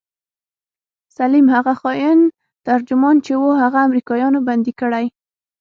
سليم هغه خاين ترجمان چې و هغه امريکايانو بندي کړى.